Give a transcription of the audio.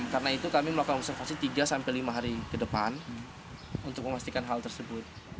karena itu kami melakukan observasi tiga sampai lima hari ke depan untuk memastikan hal tersebut